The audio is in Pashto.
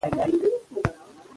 د خپل کلي پر لور وخوځېدل.